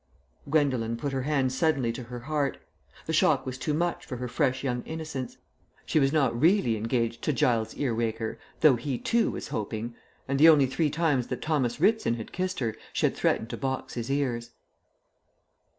Gwendolen put her hand suddenly to her heart. The shock was too much for her fresh young innocence. She was not really engaged to Giles Earwaker, though he, too, was hoping; and the only three times that Thomas Ritson had kissed her she had threatened to box his ears.